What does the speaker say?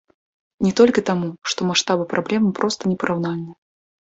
Не толькі таму, што маштабы праблемы проста непараўнальныя.